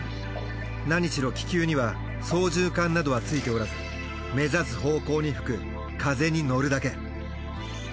なにしろ気球には操縦桿などはついておらず目指す方向に吹く風に乗るだけ。